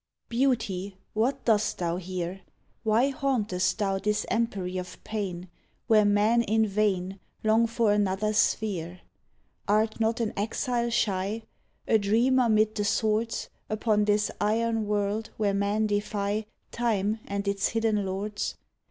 Beauty, what dost thou here*? Why hauntest thou this empery of pain Where men in vain Long for another sphere? Art not an exile shy, A dreamer 'mid the swords, Upon this iron world where men defy Time and its hidden lords?